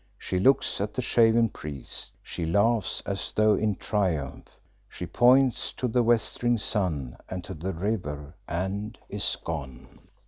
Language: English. She looks at the shaven priest; she laughs as though in triumph; she points to the westering sun and to the river, and is gone.